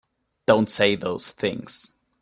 Don't say those things!